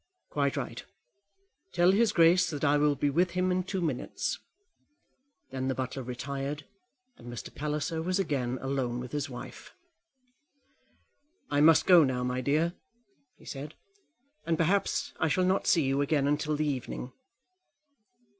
"Quite right; tell his grace that I will be with him in two minutes." Then the butler retired, and Mr. Palliser was again alone with his wife. "I must go now, my dear," he said; "and perhaps I shall not see you again till the evening."